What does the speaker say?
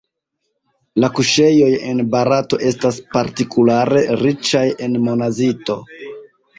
La kuŝejoj en Barato estas partikulare riĉaj en monazito.